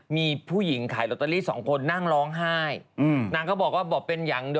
มีผู้หญิงขายลอตเตอรี่สองคนนั่งร้องไห้นางก็บอกว่าบอกเป็นอย่างดี